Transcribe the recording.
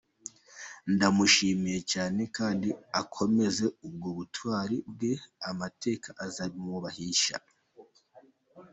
Ndamushimye cyane kdi akomeze ubwo butwari bwe amateka azabimwubahisha.